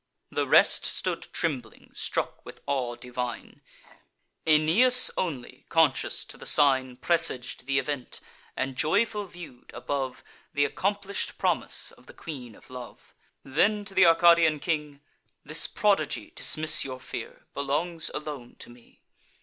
The rest stood trembling, struck with awe divine; Aeneas only, conscious to the sign, Presag'd th' event, and joyful view'd, above, Th' accomplish'd promise of the Queen of Love. Then, to th' Arcadian king: "This prodigy (Dismiss your fear) belongs alone to me.